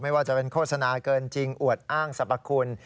ว่าจะเป็นโฆษณาเกินจริงอวดอ้างสรรพคุณ